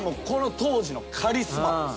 この当時のカリスマ。